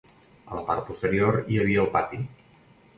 A la part posterior hi havia el pati.